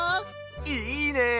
いいね！